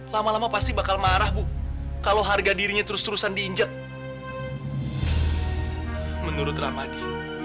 lama lama pasti bakal marah bu kalau harga dirinya terus terusan diinjek menurut ramadi